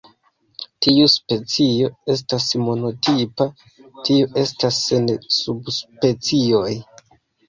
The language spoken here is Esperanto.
Tiu specio estas monotipa, tio estas sen subspecioj.